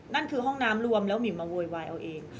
นั่นคือห้องน้ำรวมแล้วหิวมาโวยวายเอาเอง